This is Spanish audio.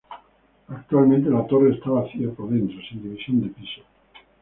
Actualmente la torre está vacía por dentro, sin división de pisos.